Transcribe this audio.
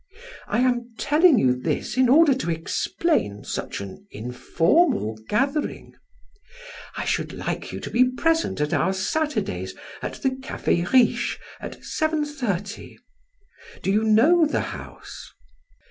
I am telling you this in order to explain such an informal gathering. I should like you to be present at our Saturdays at the Cafe Riche at seven thirty. Do you know the house?"